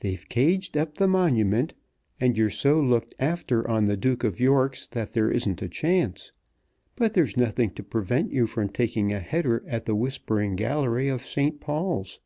They've caged up the Monument, and you're so looked after on the Duke of York's, that there isn't a chance. But there's nothing to prevent you from taking a header at the Whispering Gallery of Saint Paul's.